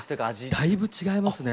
だいぶ違いますね。